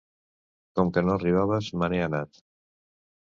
Com que no arribaves, me n'he anat.